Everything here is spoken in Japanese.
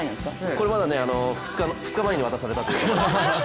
これまだ２日前に渡されたっていう。